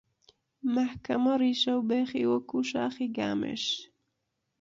مەحکەمە ڕیشە و بێخی وەکوو شاخی گامێش